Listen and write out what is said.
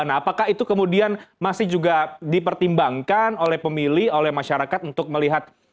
nah apakah itu kemudian masih juga dipertimbangkan oleh pemilih oleh masyarakat untuk melihat